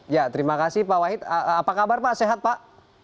ya terima kasih pak wahid apa kabar pak sehat pak